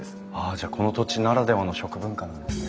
じゃあこの土地ならではの食文化なんですね。